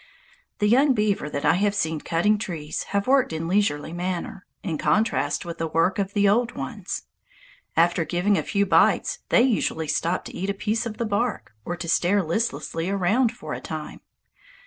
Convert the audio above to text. The young beaver that I have seen cutting trees have worked in leisurely manner, in contrast with the work of the old ones. After giving a few bites, they usually stop to eat a piece of the bark, or to stare listlessly around for a time.